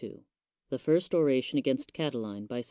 Ill THE FIRST ORATION AGAINST CATILINE^ (68 B.C.)